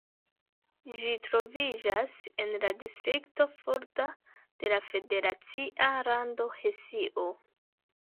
Ĝi troviĝas en la distrikto Fulda de la federacia lando Hesio.